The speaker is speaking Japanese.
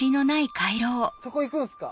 そこ行くんすか？